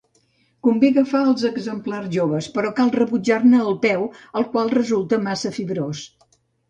Convé agafar els exemplars joves, però cal rebutjar-ne el peu, el qual resulta massa fibrós.